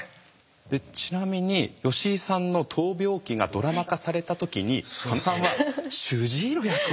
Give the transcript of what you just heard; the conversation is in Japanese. でちなみに吉井さんの闘病記がドラマ化された時に佐野さんは主治医の役を。